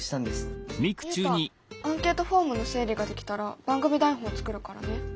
ユウタアンケートフォームの整理ができたら番組台本作るからね。